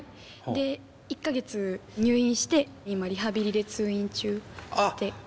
で１か月入院して今リハビリで通院中って感じです。